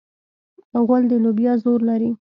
غول د لوبیا زور لري.